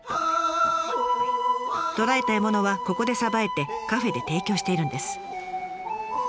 捕らえた獲物はここでさばいてカフェで提供しているんです。